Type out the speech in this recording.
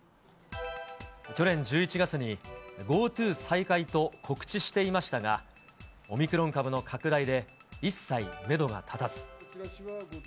去年１１月に、ＧｏＴｏ再開と告知していましたが、オミクロン株の拡大で一切メドが立たず。